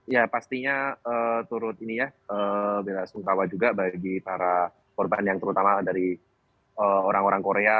ya pastinya turut ini ya bela sungkawa juga bagi para korban yang terutama dari orang orang korea